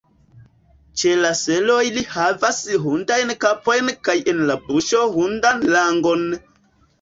Ĉe la selo ili havas hundajn kapojn kaj en la buŝo hundan langon!